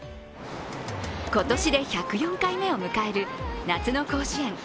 今年で１０４回目を迎える夏の甲子園。